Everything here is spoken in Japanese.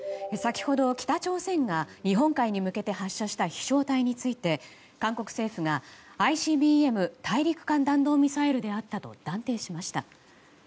先ほど北朝鮮が日本海に向けて発射した飛翔体について韓国政府がＩＣＢＭ・大陸間弾道ミサイルだったと断定しました。